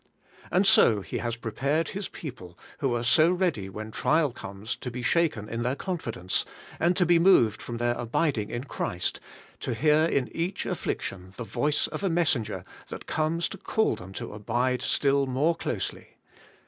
And so He has prepared His people, who are so ready when trial comes to be shaken in their confidence, and to be moved from their abiding in Christ, to hear in each affliction the voice of a messenger that comes to call them to abide still more closely.